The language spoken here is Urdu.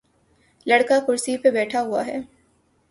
لڑکا کرسی پہ بیٹھا ہوا ہے۔